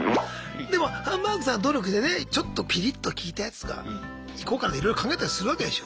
でもハンバーグさん努力してねちょっとピリッと利いたやつとかいこうかなとかいろいろ考えたりするわけでしょ？